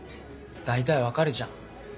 大体分かるじゃん。